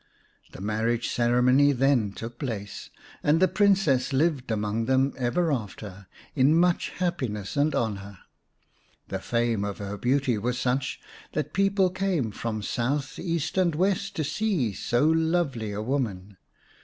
The marriage ceremony then took place, and the Princess lived among them ever after in much happiness and honour. The fame of her beauty was such that people came from 210 xvii Or, the Moss Green Princess South, East, and West to see so lovely a woman.